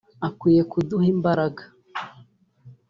akwiye kuduha imbaraga